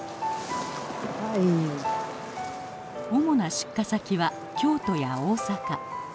主な出荷先は京都や大阪。